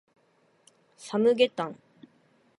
サムゲタン